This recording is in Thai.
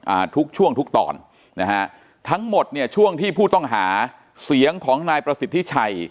อ่าทุกช่วงทุกตอนนะฮะทั้งหมดเนี่ยช่วงที่ผู้ต้องหาเสียงของนายประสิทธิชัย